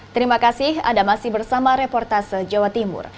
terima kasih anda masih bersama reportase jawa timur